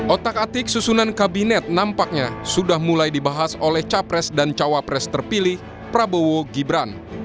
otak atik susunan kabinet nampaknya sudah mulai dibahas oleh capres dan cawapres terpilih prabowo gibran